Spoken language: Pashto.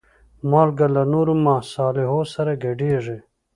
مالګه له نورو مصالحو سره ګډېږي.